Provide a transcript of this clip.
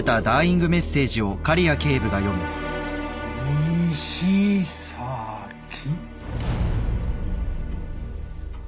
「にしさき」